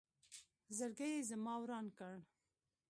زړګې یې زما وران کړ